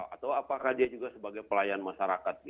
atau apakah dia juga sebagai pelayan masyarakat